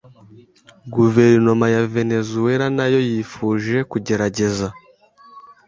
Guverinoma ya Venezuela nayo yifuje kugerageza